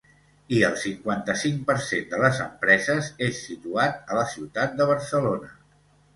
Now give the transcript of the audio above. I el cinquanta-cinc per cent de les empreses és situat a la ciutat de Barcelona.